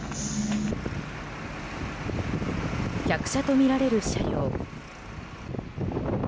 客車とみられる車両。